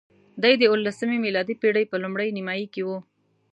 دی د اوولسمې میلادي پېړۍ په لومړۍ نیمایي کې وو.